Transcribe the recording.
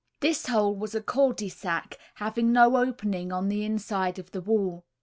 This hole was a cul de sac, having no opening on the inside of the wall.